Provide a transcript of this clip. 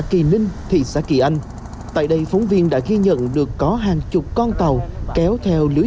kỳ ninh thị xã kỳ anh tại đây phóng viên đã ghi nhận được có hàng chục con tàu kéo theo lưới